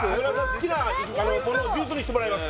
好きなジュースにしてもらえます